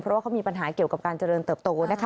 เพราะว่าเขามีปัญหาเกี่ยวกับการเจริญเติบโตนะคะ